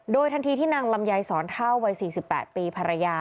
โดยทันทีที่นางลำไยสอนเท่าวัย๔๘ปีภรรยา